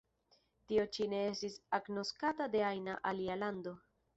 Tio ĉi ne estis agnoskata de ajna alia lando.